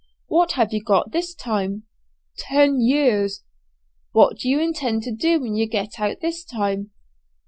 '" "What have you got this time?" "Ten years." "What do you intend to do when you get out this time?"